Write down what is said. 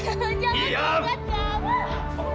kamu tidak bisa